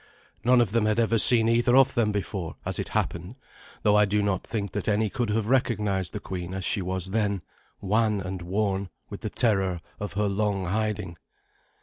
None of them had ever seen either of them before, as it happened, though I do not think that any could have recognized the queen as she was then, wan and worn with the terror of her long hiding.